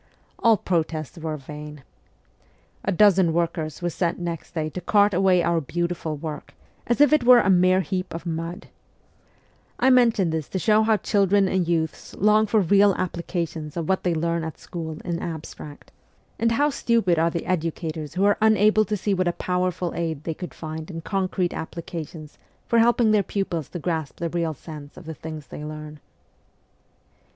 All protests were vain. A dozen workers were sent next day to cart away our beautiful work, as if it were a mere heap of mud ! I mention this to show how children and youths long for real applications of what they learn at school VOL. I. L 146 MEMOIRS OF A REVOLUTIONIST in abstract, and how stupid are the educators who are unable to see what a powerful aid they could find in concrete applications for helping their pupils to grasp the real sense of the things they learn.